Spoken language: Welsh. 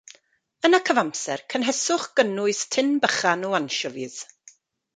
Yn y cyfamser cynheswch gynnwys tin bychan o ansiofis.